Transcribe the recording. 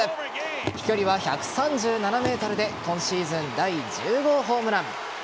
飛距離は１３７ｍで今シーズン第１０号ホームラン。